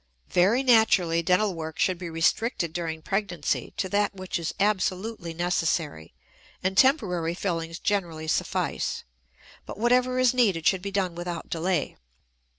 Very naturally dental work should be restricted during pregnancy to that which is absolutely necessary, and temporary fillings generally suffice; but whatever is needed should be done without delay.